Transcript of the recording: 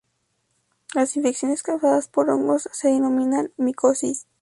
Las infecciones causadas por hongos se denominan micosis.